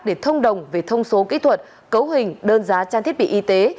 để thông đồng về thông số kỹ thuật cấu hình đơn giá trang thiết bị y tế